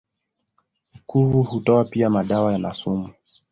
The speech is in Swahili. Kuvu hutoa pia madawa na sumu.